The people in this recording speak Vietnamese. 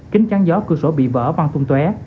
kính trắng gió cư sổ bị vỡ văn tung tué